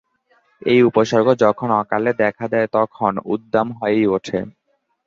এই উপসর্গ যখন অকালে দেখা দেয় তখন উদ্দাম হয়েই ওঠে।